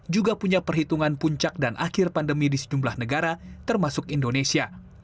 juga punya perhitungan puncak dan akhir pandemi di sejumlah negara termasuk indonesia